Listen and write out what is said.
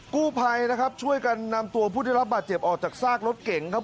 กู้ภัยนะครับช่วยกันนำตัวผู้ได้รับบาดเจ็บออกจากซากรถเก๋งครับ